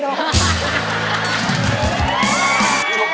บริการดรงฟินนะฮะ